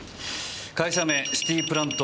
会社名シティプラント。